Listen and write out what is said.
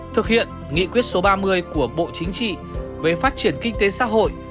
thực hiện nghị quyết số ba mươi của bộ chính trị về phát triển kinh tế xã hội